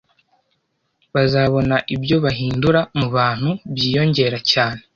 bazabona ibyo bahindura mu bantu byiyongera cyane